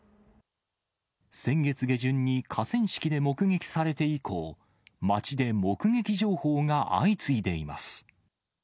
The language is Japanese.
先月下旬に河川敷で目撃されて以降、町で目撃情報が相次いでいます。